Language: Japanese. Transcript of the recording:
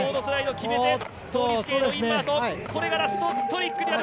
これがラストトリックになる。